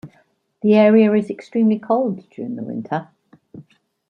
The area is extremely cold during the winter.